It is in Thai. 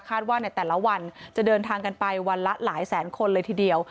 ว่าในแต่ละวันจะเดินทางกันไปวันละหลายแสนคนเลยทีเดียว